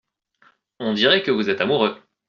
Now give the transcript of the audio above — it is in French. On dirait que vous en êtes amoureux !